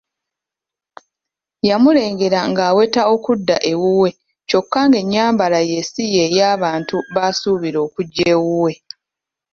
Yamulengera nga aweta okudda ewuwe kyokka ng'ennyambala ye si ye y'abantu basuubira okujja ewuwe.